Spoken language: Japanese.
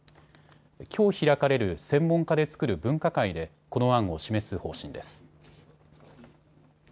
きょう開かれる専門家で作る分科会でこの案を示す方針です。